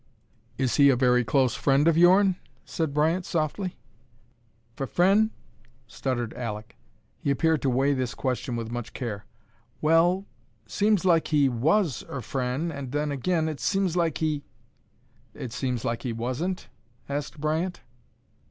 "Is he a very close friend of yourn?" said Bryant, softly. "F frien'?" stuttered Alek. He appeared to weigh this question with much care. "Well, seems like he was er frien', an' then agin, it seems like he " "It seems like he wasn't?" asked Bryant.